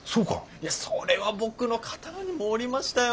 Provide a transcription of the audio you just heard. いやそれは僕の肩の荷も下りましたよ。